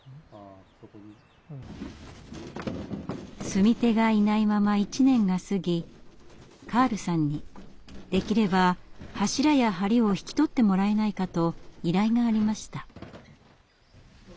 住み手がいないまま１年が過ぎカールさんにできれば柱や梁を引き取ってもらえないかと依頼がありました。